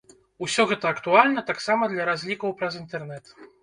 Усё гэта актуальна таксама для разлікаў праз інтэрнэт.